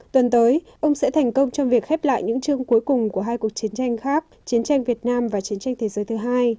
tuần tới ông sẽ thành công trong việc khép lại những chương cuối cùng của hai cuộc chiến tranh khác chiến tranh việt nam và chiến tranh thế giới thứ hai